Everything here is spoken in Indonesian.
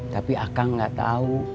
tapi akang gak tau